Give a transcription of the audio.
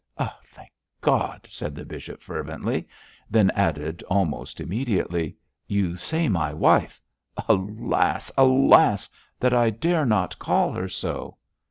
'Thank God!' said the bishop, fervently; then added, almost immediately, 'You say my wife. Alas! alas! that I dare not call her so.'